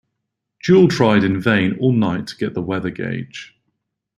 Juel tried in vain all night to get the weather gauge.